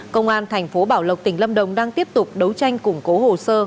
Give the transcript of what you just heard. công an tp bảo lộc tỉnh lâm đồng đang tiếp tục đấu tranh củng cố hồ sơ